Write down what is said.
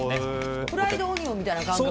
フライドオニオンみたいな感覚？